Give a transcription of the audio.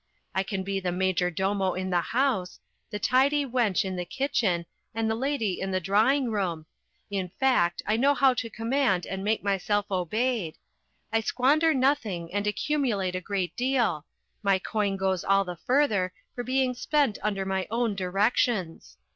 I can be the major domo in the house, the tidy wench in the kitchen, and the lady in the drawing room: in fact, I know how to command and make myself obeyed. I squander nothing and accumulate a great deal; my coin goes all the further for being spent under my own directions.